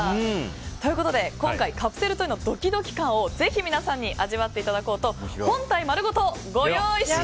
ということで今回カプセルトイのドキドキ感をぜひ皆さんに味わっていただこうと本体丸ごと